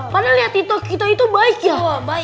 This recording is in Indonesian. padahal lihat itu kita itu baik ya